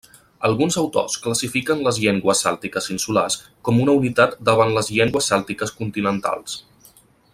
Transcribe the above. Alguns autors classifiquen les llengües cèltiques insulars com una unitat davant les llengües cèltiques continentals.